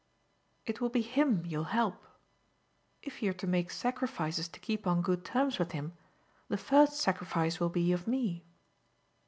"It will be him you'll help. If you're to make sacrifices to keep on good terms with him the first sacrifice will be of me."